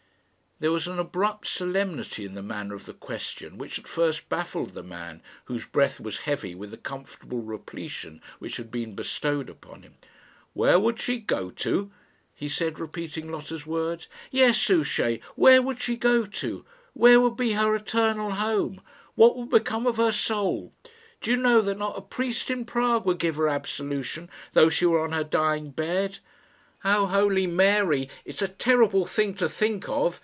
There was an abrupt solemnity in the manner of the question which at first baffled the man, whose breath was heavy with the comfortable repletion which had been bestowed upon him. "Where would she go to?" he said, repeating Lotta's words. "Yes, Souchey, where would she go to? Where would be her eternal home? What would become of her soul? Do you know that not a priest in Prague would give her absolution though she were on her dying bed? Oh, holy Mary, it's a terrible thing to think of!